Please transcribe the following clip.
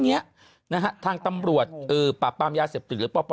เนี้ยนะฮะทางตำรวจเอ่อประปรมยาเศรษฐหรือปส